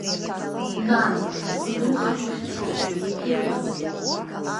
Нан, унымхан уахьцо, ирлас.